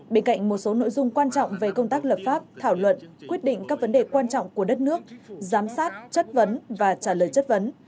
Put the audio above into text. bên cạnh một số nội dung quan trọng về công tác lập pháp thảo luận quyết định các vấn đề quan trọng của đất nước giám sát chất vấn và trả lời chất vấn